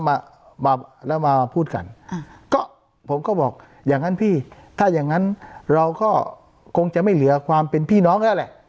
มามาแล้วมาพูดกันอ่าก็ผมก็บอกอย่างงั้นพี่ถ้าอย่างงั้นเราก็คงจะไม่เหลือความเป็นพี่น้องแล้วแหละ